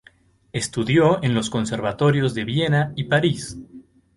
Estudió en los conservatorios de Viena y París.